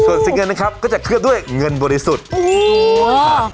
ส่วนสีเงินนะครับก็จะเคลือบด้วยเงินบริสุทธิ์ค่ะ